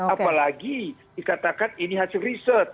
apalagi dikatakan ini hasil riset